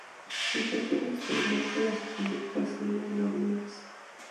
Entonces descubrieron que los Sith poseían aún más.